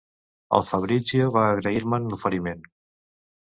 El Fabrizio va agrair-me'n l'oferiment.